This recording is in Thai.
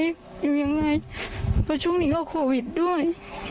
อยู่ยังไงเพราะช่วงนี้ก็โควิดด้วย